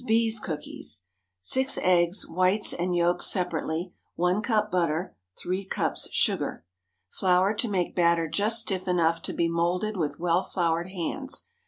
B.'S COOKIES. ✠ 6 eggs, whites and yolks separately. 1 cup butter. 3 cups sugar. Flour to make batter just stiff enough to be moulded with well floured hands.